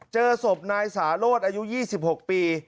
เจอศพนายสาโรธอายุ๒๖ปี